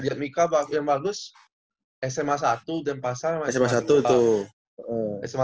di admika yang bagus sma satu dempasar sama sma dua